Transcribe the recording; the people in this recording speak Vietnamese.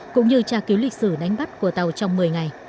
cũng như tra cứu lịch sử đánh bắt của tàu trong một mươi ngày